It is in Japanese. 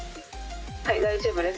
はい大丈夫です。